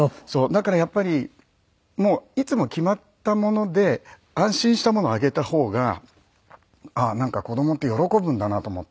だからやっぱりもういつも決まったもので安心したものあげた方があっなんか子供って喜ぶんだなと思って。